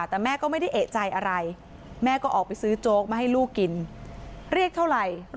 แต่แม่ก็ไม่ได้เอกใจอะไรแม่ก็ออกไปซื้อโจ๊กมาให้ลูกกินเรียกเท่าไหร่